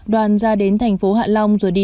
đoàn ra đến thành phố hạ long rồi đi